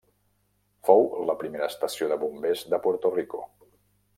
Fou la primera estació de bombers de Puerto Rico.